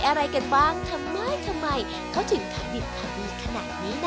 อะไรกันบ้างทำไมทำไมเขาถึงทำดิบขายดีขนาดนี้ล่ะ